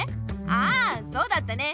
ああそうだったね